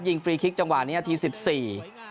ยิงฟรีคิกจังหวะหน้าที่สิบสี่